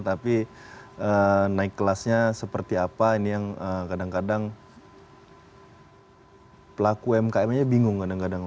tapi naik kelasnya seperti apa ini yang kadang kadang pelaku umkm aja bingung kadang kadang